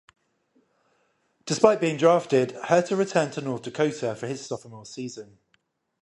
Despite being drafted, Herter returned to North Dakota for his sophomore season.